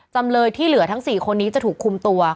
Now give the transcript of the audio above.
จำเลยที่เหลือทั้ง๔คนนี้จะถูกคุมตัว